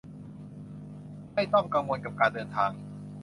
ไม่ต้องกังวลกับการเดินทาง